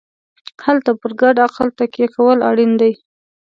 هلته پر ګډ عقل تکیه کول اړین دي.